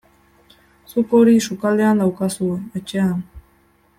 Zuk hori sukaldean daukazu, etxean.